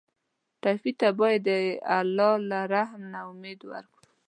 ټپي ته باید د الله له رحم نه امید ورکړو.